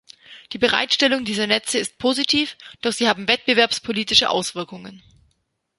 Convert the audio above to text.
Die Bereitstellung dieser Netze ist positiv, doch sie haben wettbewerbspolitische Auswirkungen.